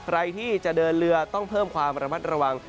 ใครที่จะเดินเรือต้องเพิ่มความระมัดระวัง